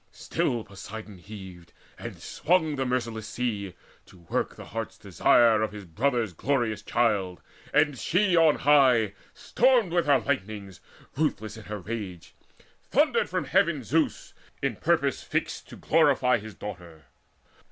Still Poseidon heaved and swung The merciless sea, to work the heart's desire Of his brother's glorious child; and she on high Stormed with her lightnings, ruthless in her rage. Thundered from heaven Zeus, in purpose fixed To glorify his daughter.